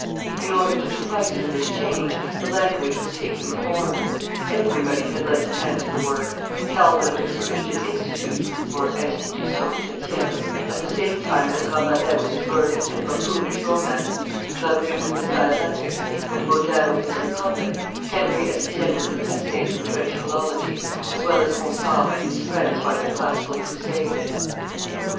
In order to suffice for this change, the language was taking form; everybody had lent a hand to the work; Calvin with his Christian Institutes (Institution Chretienne) at the same time as Rabelais with his learned and buffoonish romance, Ramus with his Dialectics, and Bodin with his Republic, Henry Estienne with his essays in French philology, as well as Ronsard and his friends by their classical crusade.